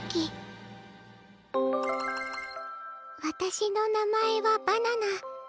私の名前はバナナ。